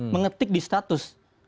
mengetik di status